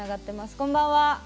こんばんは。